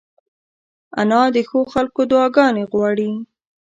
انا د ښو خلکو دعاګانې غواړي